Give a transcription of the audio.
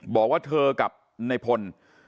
บอกว่าเธอกับในพล